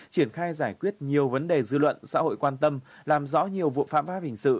triển khai giải quyết nhiều vấn đề dư luận xã hội quan tâm làm rõ nhiều vụ phạm pháp hình sự